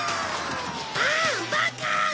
ああっバカ！